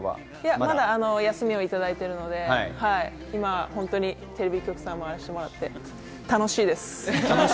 まだ休みをいただいているので、今本当にテレビ局さんを回らせていただいていて楽しいです。